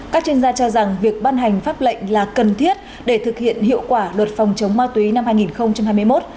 các chuyên gia cho rằng việc ban hành pháp lệnh là cần thiết để thực hiện hiệu quả luật phòng chống ma túy năm hai nghìn hai mươi một